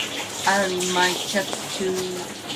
I leave my cats to Andrew Kloewer.